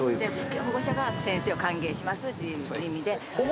保護者が先生を歓迎しますという意味で。